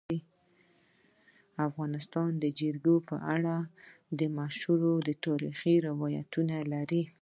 افغانستان د د افغانستان جلکو په اړه مشهور تاریخی روایتونه لري.